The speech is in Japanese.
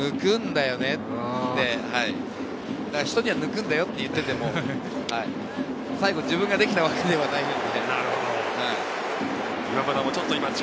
だから人には抜くんだよって言っていても、自分ができてたわけではないんです。